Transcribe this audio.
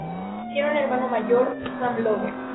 Tiene un hermano mayor Sam Lowe.